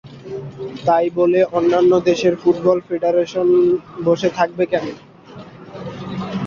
তাই বলে অন্যান্য দেশের ফুটবল ফেডারেশন বসে থাকবে কেন?